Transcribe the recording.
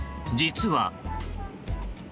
実は。